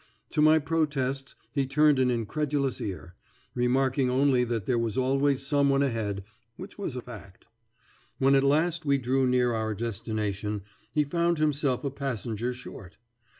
To my protests he turned an incredulous ear, remarking only that there was always some one ahead, which was a fact. When at last we drew near our destination he found himself a passenger short.